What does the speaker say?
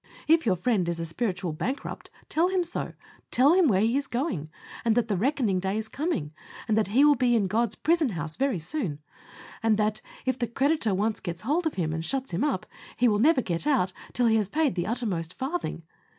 If your friend is a spiritual bankrupt, tell him so. Tell him where he is going, and that the reckoning day is coming, and that he will be in God's prison house very soon, and that, if the creditor once gets hold of him, and shuts him up, he will never get out till he has paid the uttermost farthing.